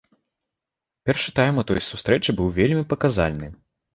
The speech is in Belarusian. Першы тайм у той сустрэчы быў вельмі паказальны.